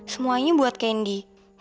semuanya buat kandi